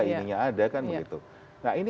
ini kan kalau ada koordinasi